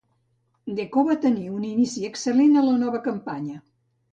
Deco va tenir un inici excel·lent a la nova campanya.